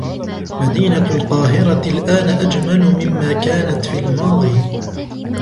مدينة القاهرة ألآن أجمل ممّا كانت في الماضى.